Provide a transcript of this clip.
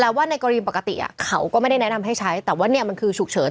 แต่ว่าในกรณีปกติเขาก็ไม่ได้แนะนำให้ใช้แต่ว่าเนี่ยมันคือฉุกเฉิน